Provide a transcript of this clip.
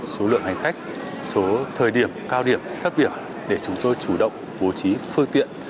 số lượng hành khách số thời điểm cao điểm thất biểu để chúng tôi chủ động bố trí phương tiện